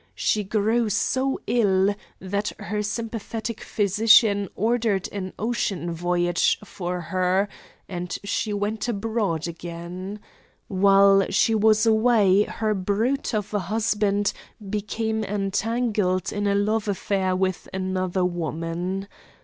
She grew so ill that her sympathetic physician ordered an ocean voyage for her, and she went abroad again. While she was away her brute of a husband became entangled in a love affair with another woman.